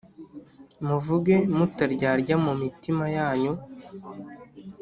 muvuge mutaryarya mu mitima yanyu